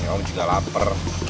ya om juga lapar